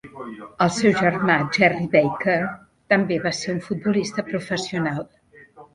El seu germà Gerry Baker també va ser un futbolista professional.